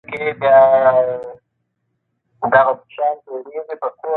افغانستان به بیا د نړۍ ستوری شي.